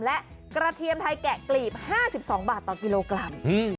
และกระเทียมไทยแกะกลีบ๕๒บาทต่อกิโลกรัม